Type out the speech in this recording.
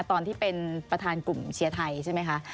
ตอนที่เป็นประธานกลุ่มเชียร์ไทยใช่ไหมคะ